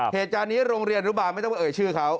เหตุการณ์นี้โรงเรียนอนุบาลไม่ต้องไปเอ่ยชื่อเขา